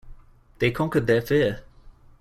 They conquered their fear.